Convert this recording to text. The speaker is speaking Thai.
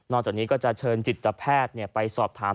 จากนี้ก็จะเชิญจิตแพทย์ไปสอบถาม